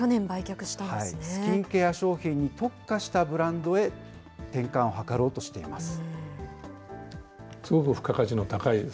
スキンケア商品に特化したブランドへ転換を図ろうとしています。